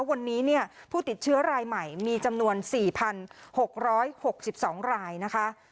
วันนี้เนี่ยผู้ติดเชื้อรายใหม่มีจำนวนสี่พันหกร้อยหกสิบสองรายนะคะ